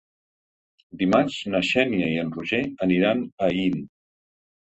Dimarts na Xènia i en Roger aniran a Aín.